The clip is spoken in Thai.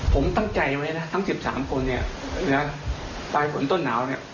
ผมตั้งใจไว้นะทั้ง๑๓คนเนี่ยนะปลายฝนต้นหนาวเนี่ย